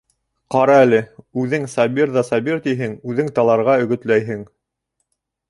Ҡара әле, үҙең Сабир ҙа Сабир тиһең, үҙең таларға өгөтләйһең.